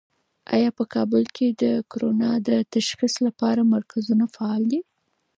آیا په کابل کې د کرونا د تشخیص لپاره مرکزونه فعال دي؟